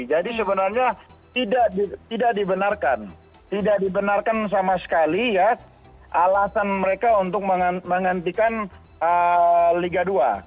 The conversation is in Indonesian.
jadi sebenarnya tidak dibenarkan tidak dibenarkan sama sekali alasan mereka untuk menghentikan liga dua